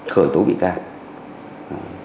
khởi tố bị cao